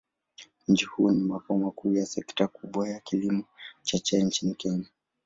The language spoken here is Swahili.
Mji huu ni makao makuu ya sekta kubwa ya kilimo cha chai nchini Kenya.